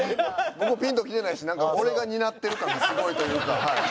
僕ピンときてないしなんか俺が担ってる感がすごいというか。